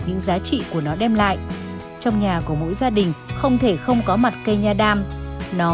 những giá trị của nó đem lại trong nhà của mỗi gia đình không thể không có mặt cây nha đam nó